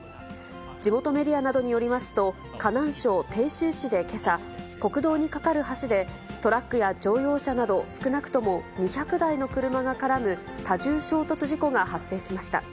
地元メディアなどによりますと、河南省鄭州市でけさ、国道に架かる橋でトラックや乗用車など、少なくとも２００台の車が絡む多重衝突事故が発生しました。